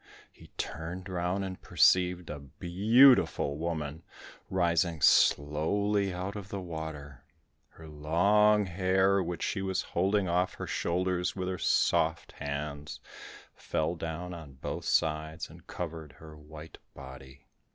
He turned round and perceived a beautiful woman, rising slowly out of the water. Her long hair, which she was holding off her shoulders with her soft hands, fell down on both sides, and covered her white body.